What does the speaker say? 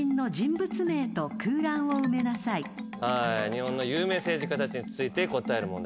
日本の有名政治家たちについて答える問題でした。